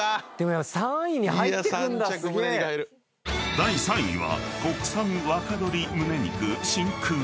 ［第３位は］